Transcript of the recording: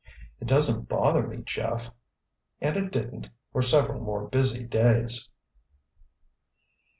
"It doesn't bother me, Jeff." And it didn't, for several more busy days.